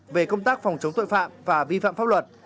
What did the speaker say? về công tác phòng chống tội phạm và vi phạm pháp luật